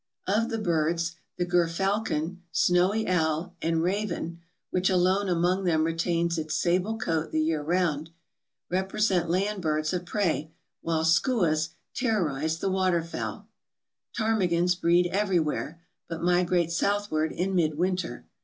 Of the birds, the gerfalcon, snowy owl, and raven (which alone among them retains its sable coat the year round) rep resent land birds of prey, while skuas terrorize the waterfowl. Ptarmigans breed everywhere, but migrate southward in mid winter.